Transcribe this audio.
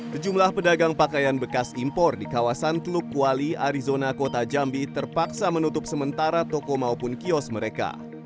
sejumlah pedagang pakaian bekas impor di kawasan teluk kuali arizona kota jambi terpaksa menutup sementara toko maupun kios mereka